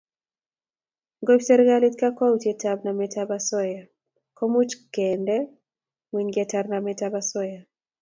Ngoib serkalit kakwautietab nametab osoya komuch kende ngweny ketar nametab osoya